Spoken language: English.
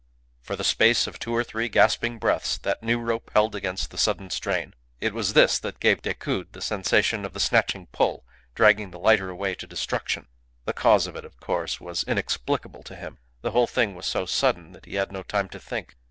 For the space of two or three gasping breaths that new rope held against the sudden strain. It was this that gave Decoud the sensation of the snatching pull, dragging the lighter away to destruction. The cause of it, of course, was inexplicable to him. The whole thing was so sudden that he had no time to think.